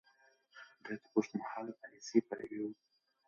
ده د اوږدمهاله پاليسۍ پلوی و.